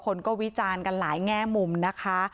คนก็วิจารณ์กันหลายแง่มุมนะคะ